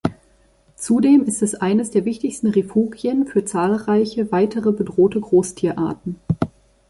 Zudem ist es eines der wichtigsten Refugien für zahlreiche weitere bedrohte Großtierarten.